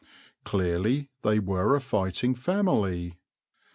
Clearly they were a fighting family.